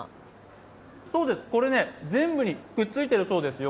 そうです、これ、全部にくっついてるそうですよ。